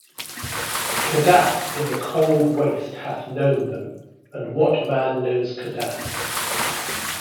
Kadath in the cold waste hath known Them, and what man knows Kadath?